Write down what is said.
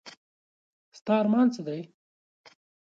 ستا ارمان څه دی ؟